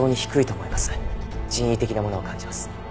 人為的なものを感じます。